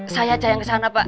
saya aja yang kesana pak